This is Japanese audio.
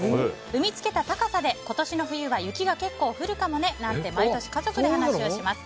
産み付けた高さで今年の冬は雪が結構降るかもねと毎年、家族で話をします。